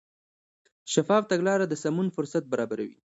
شفاف تګلاره د سمون فرصت برابروي.